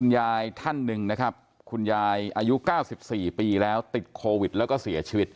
ยายท่านหนึ่งนะครับคุณยายอายุ๙๔ปีแล้วติดโควิดแล้วก็เสียชีวิต